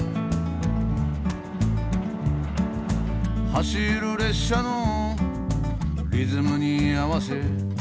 「走る列車のリズムにあわせ」